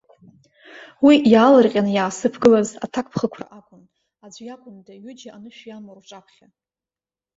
Уи, иаалырҟьаны иаасыԥгылаз аҭакԥхықәра акәын, аӡә иакәында, ҩыџьа анышә иамоу рҿаԥхьа.